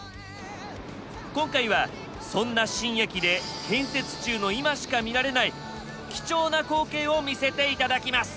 今回はそんな新駅で建設中の今しか見られない貴重な光景を見せて頂きます。